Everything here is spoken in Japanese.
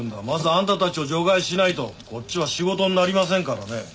まずあんたたちを除外しないとこっちは仕事になりませんからね。